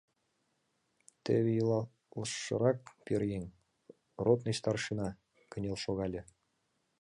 Теве илалшырак пӧръеҥ, ротный старшина, кынел шогале.